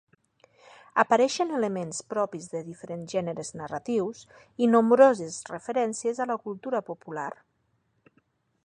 Apareixen elements propis de diferents gèneres narratius, i nombroses referències a la cultura popular.